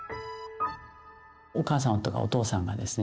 お母さんとかお父さんがですね